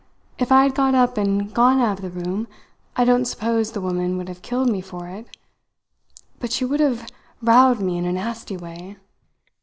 If I had got up and gone out of the room I don't suppose the woman would have killed me for it; but she would have rowed me in a nasty way.